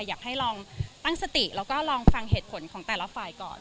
อยากให้ลองตั้งสติแล้วก็ลองฟังเหตุผลของแต่ละฝ่ายก่อน